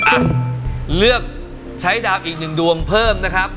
อ่ะเลือกใช้ดาวอีกหนึ่งดวงเพิ่มนะครับ